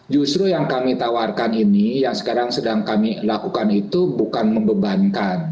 justru yang kami tawarkan ini yang sekarang sedang kami lakukan itu bukan membebankan